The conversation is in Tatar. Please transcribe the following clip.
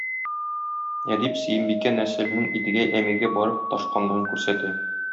Әдип Сөембикә нәселенең Идегәй әмиргә барып тоташканлыгын күрсәтә.